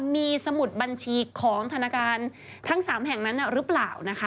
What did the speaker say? มีสมุดบัญชีของธนาคารทั้ง๓แห่งนั้นหรือเปล่านะคะ